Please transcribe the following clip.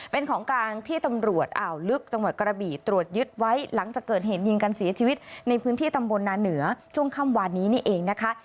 เป็นของกลางที่ตำรวจอ่าวลึกจังหวัดกระบี่ตรวจยึดไว้หลังจากเกิดเหตุยิงกันเสียชีวิตในพื้นที่ตำบลนาเหนือช่วงค่ำวานนี้นี่เองนะคะ